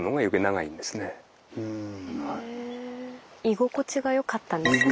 居心地が良かったんですか？